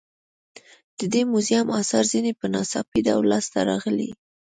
د دې موزیم اثار ځینې په ناڅاپي ډول لاس ته راغلي.